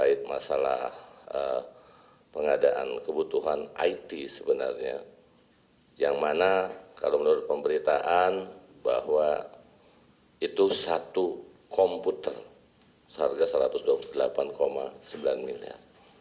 itu satu komputer seharga rp satu ratus dua puluh delapan sembilan miliar